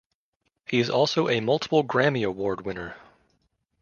He is also a multiple Grammy Award winner.